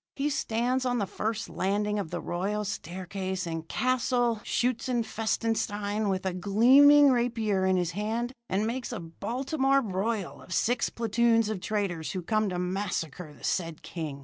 He stands on the first landing of the royal staircase in Castle Schutzenfestenstein with a gleaming rapier in his hand, and makes a Baltimore broil of six platoons of traitors who come to massacre the said king.